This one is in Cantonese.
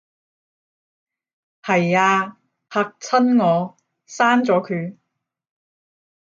係吖，嚇親我，刪咗佢